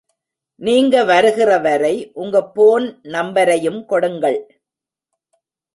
நீங்க வருகிறவரை உங்க போன் நம்பரையும் கொடுங்கள்.